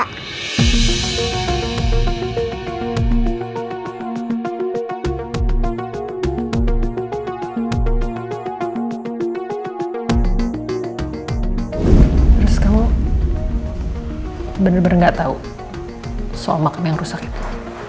terus kamu bener bener gak tau soal makam yang rusak itu